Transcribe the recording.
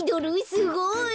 すごい。